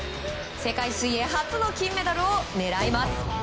世界水泳初の金メダルを狙います。